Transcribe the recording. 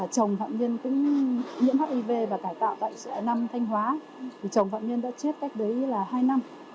chồng phạm nhân cũng nhiễm hiv và cải tạo tại nam thanh hóa thì chồng phạm nhân đã chết cách đấy là hai năm